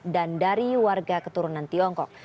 dan dari warga keturunan tiongkok